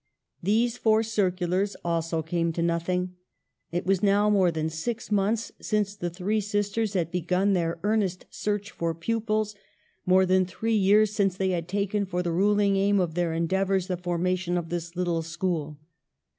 Those four circulars also came to nothing ; it was now more than six months since the three sisters had begun their earnest search for pupils : more than three years since they had taken for the ruling aim of their endeavors the formation of this little school.